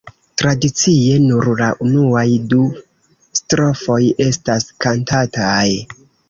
Tradicie, nur la unuaj du strofoj estas kantataj.